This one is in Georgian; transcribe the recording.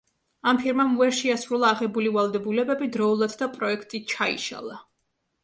ამ ფირმამ ვერ შეასრულა აღებული ვალდებულებები დროულად და პროექტი ჩაიშალა.